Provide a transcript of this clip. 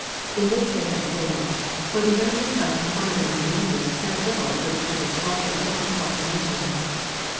In this they had failed, for the millions of Mohammedans in India cared little for the Turkish Sultan or his proclamations.